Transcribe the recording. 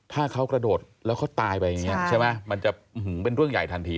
ถ้าเขากระโดดแล้วเขาตายไปอย่างนี้ใช่ไหมมันจะเป็นเรื่องใหญ่ทันที